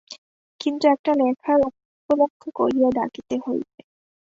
কিন্তু একটা লেখার উপলক্ষ করিয়া ডাকিতে হইবে।